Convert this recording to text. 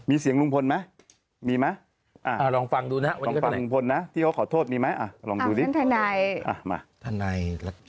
มีเสียงรุงภลมั้ยมีมั้ย